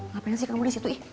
ngapain sih kamu di situ